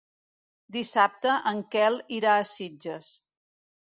Dissabte en Quel irà a Sitges.